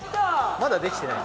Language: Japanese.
まだできてない。